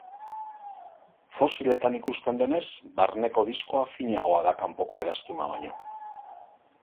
Fosiletan ikusten denez barneko diskoa finagoa da kanpoko eraztuna baino.